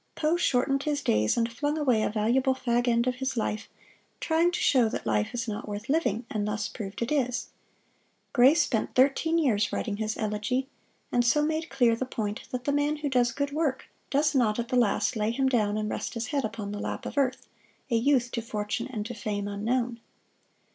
Poe shortened his days and flung away a valuable fag end of his life, trying to show that life is not worth living, and thus proved it is. Gray spent thirteen years writing his "Elegy," and so made clear the point that the man who does good work does not at the last lay him down and rest his head upon the lap of earth, a youth to fortune and to fame unknown.